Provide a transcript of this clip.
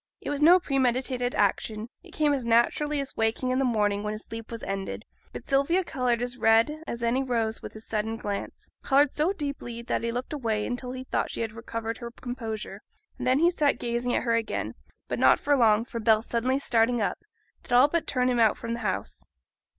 It was no premeditated action; it came as naturally as wakening in the morning when his sleep was ended; but Sylvia coloured as red as any rose at his sudden glance, coloured so deeply that he looked away until he thought she had recovered her composure, and then he sat gazing at her again. But not for long, for Bell suddenly starting up, did all but turn him out of the house.